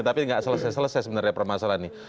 tapi nggak selesai selesai sebenarnya permasalahan ini